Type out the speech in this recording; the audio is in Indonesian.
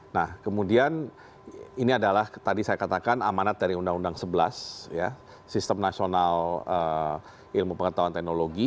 nah kemudian ini adalah tadi saya katakan amanat dari undang undang sebelas sistem nasional ilmu pengetahuan teknologi